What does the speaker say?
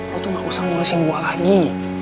lo tuh gak usah ngurusin gue lagi